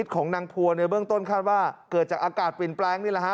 ของนางพัวในเบื้องต้นคาดว่าเกิดจากอากาศเปลี่ยนแปลงนี่แหละฮะ